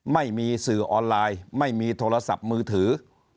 ไม่มีสื่อออนไลน์ไม่มีโทรศัพท์มือถือ